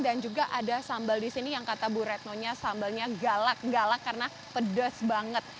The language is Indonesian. dan juga ada sambal disini yang kata bu ratno nya sambalnya galak galak karena pedes banget